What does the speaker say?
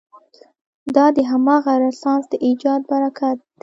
دا د همغه رنسانس د ایجاد براکت دی.